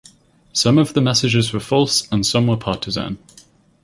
Some of the messages were false and some were partisan.